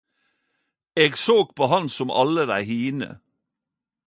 Eg såg på han som alle dei hine